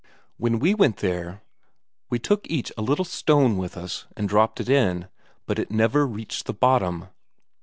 When we went there, we took each a little stone with us, and dropped it in, but it never reached the bottom."